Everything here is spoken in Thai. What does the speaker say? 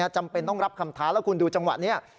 จำเป็นต้องรับคำท้าแล้วคุณดูจังหวะนี้